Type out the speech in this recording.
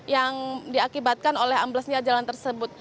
yang diakibatkan oleh amblesnya jalan tersebut